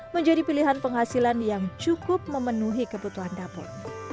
menjadi pilihan penghasilan yang cukup memenuhi kebutuhan dapur